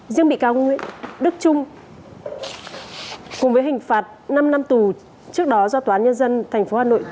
riêng bị cáo nguyễn đức trung cùng với hình phạt năm năm tù trước đó do tòa án nhân dân tp hà nội